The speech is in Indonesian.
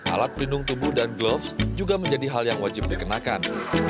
alat pelindung tubuh dan glove juga menjadi hal yang wajib dikenakan